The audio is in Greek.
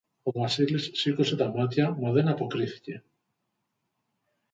Ο Βασίλης σήκωσε τα μάτια, μα δεν αποκρίθηκε